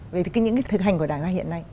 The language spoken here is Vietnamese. về những cái thực hành của đảng ta hiện nay